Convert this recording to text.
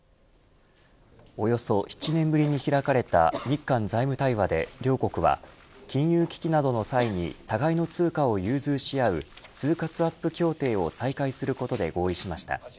およそ７年ぶりに開かれた日韓財務対話で、両国は金融危機などの際に互いの通貨を融通し合う通貨スワップ協定を再開することで合意しました。